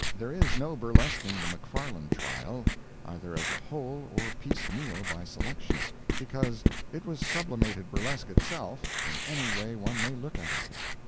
There is no burlesquing the McFarland trial, either as a whole or piecemeal by selection. Because it was sublimated burlesque itself, in any way one may look at it.